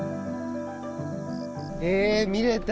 え見れた！